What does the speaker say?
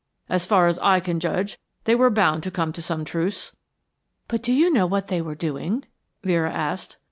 "As far as I can judge, they were bound to come to some truce." "But do you know what they were doing?" Vera asked.